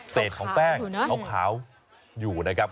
เศษของแป้งขาวอยู่นะครับ